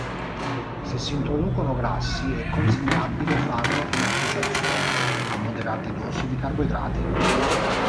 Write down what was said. Se si introducono grassi, è consigliabile farlo in associazione a moderate dosi di carboidrati.